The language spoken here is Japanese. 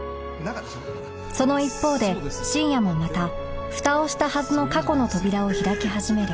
その一方で深夜もまたふたをしたはずの過去の扉を開き始める